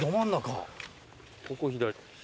ここ左。